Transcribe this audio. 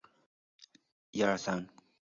垂穗虎尾草为禾本科虎尾草属下的一个种。